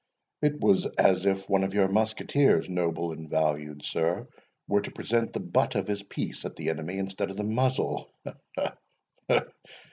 It was as if one of your musketeers, noble and valued sir, were to present the butt of his piece at the enemy instead of the muzzle—ha, ha, ha!